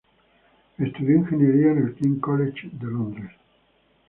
Estudió ingeniería en el King's College de Londres.